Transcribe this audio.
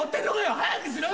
早くしろよ。